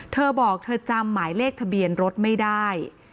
เธอบอกเธอจำหมายเลขทะเบียนรถไม่ได้